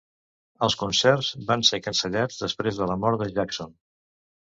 Els concerts van ser cancel·lats després de la mort de Jackson.